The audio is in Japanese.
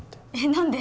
何で？